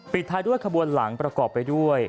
ท้ายด้วยขบวนหลังประกอบไปด้วย